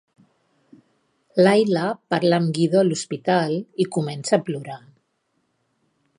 Layla parla amb Guido a l'hospital i comença a plorar.